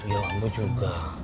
ya ampun juga